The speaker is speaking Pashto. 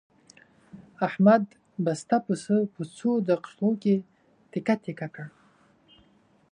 احمد بسته پسه په څو دقیقو کې تکه تکه کړ.